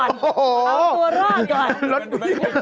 เอาตัวรอดก่อน